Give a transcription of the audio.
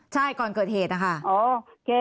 ใช่ก่อนเกิดเหตุนะคะ